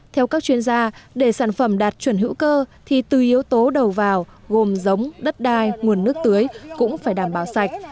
theo các chuyên gia để sản phẩm đạt chuẩn hữu cơ thì từ yếu tố đầu vào gồm giống đất đai nguồn nước tưới cũng phải đảm bảo sạch